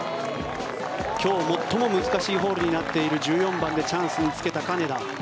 今日最も難しいホールになっている１４番でチャンスにつけた金田。